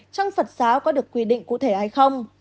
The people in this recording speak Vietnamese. trong phật giáo có được quy định cụ thể hay không